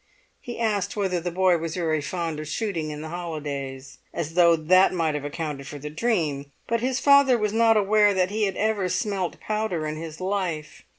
He asked whether the boy was very fond of shooting in the holidays, as though that might have accounted for the dream, but his father was not aware that he had ever smelt powder in his life.